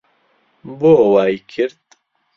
بۆ وای کرد؟